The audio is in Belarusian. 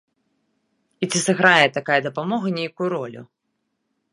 І ці сыграе такая дапамога нейкую ролю?